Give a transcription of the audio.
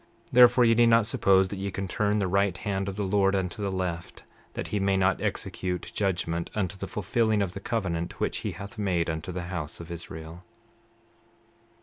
29:9 Therefore ye need not suppose that ye can turn the right hand of the Lord unto the left, that he may not execute judgment unto the fulfilling of the covenant which he hath made unto the house of Israel.